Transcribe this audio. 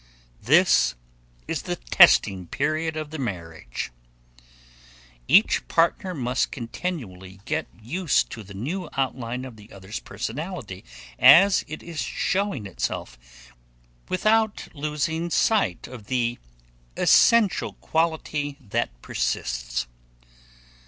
This is the testing period of the marriage. Each partner must continually get used to the new outline of the other's personality as it is showing itself, without losing sight of the value of the essential quality that persists.